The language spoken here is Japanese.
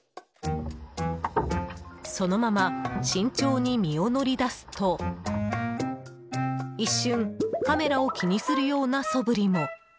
そのまま、慎重に身を乗り出すと一瞬、カメラを気にするような素振りも。